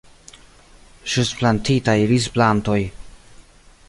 Ĵus plantitaj rizplantoj.